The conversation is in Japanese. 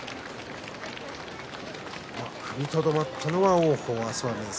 踏みとどまったのは王鵬です。